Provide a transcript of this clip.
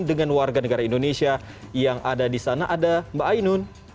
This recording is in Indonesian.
dengan warga negara indonesia yang ada di sana ada mbak ainun